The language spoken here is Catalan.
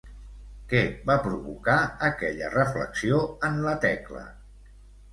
Què va provocar aquella reflexió en la Tecla?